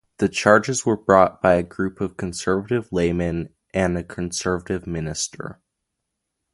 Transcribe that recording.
The charges were brought by a group of conservative laymen and a conservative minister.